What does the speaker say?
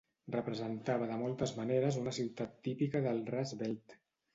Representava de moltes maneres una ciutat típica del "Rust Belt".